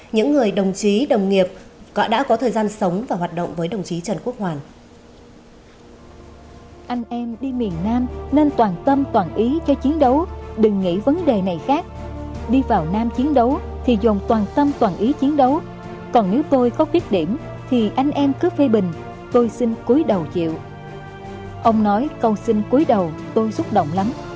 những người đồng chí đồng nghiệp đã có thời gian sống và hoạt động với đồng chí trần quốc hoàn